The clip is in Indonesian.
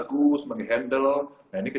fr mma itu agak bagus